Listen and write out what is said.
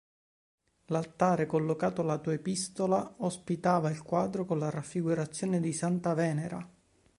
L'altare collocato lato epistola ospitava il quadro con la raffigurazione di santa Venera.